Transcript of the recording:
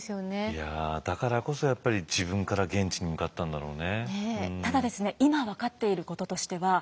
いやだからこそやっぱり自分から現地に向かったんだろうね。